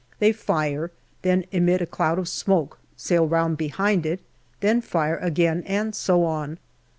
They fire, then emit a cloud of smoke, sail round behind it, then fire again, and so on.